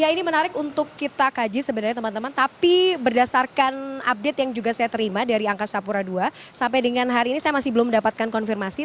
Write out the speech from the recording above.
ini menarik untuk kita kaji sebenarnya teman teman tapi berdasarkan update yang juga saya terima dari angkasa pura ii sampai dengan hari ini saya masih belum mendapatkan konfirmasi